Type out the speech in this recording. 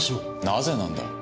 なぜなんだ？